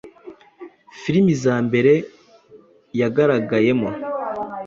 filime za mbere yagaragayemo